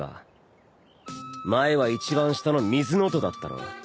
前は一番下の癸だったろ。